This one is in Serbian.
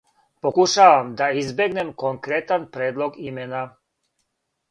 Покушавам да избегнем конкретан предлог имена.